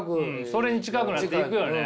それに近くなっていくよね。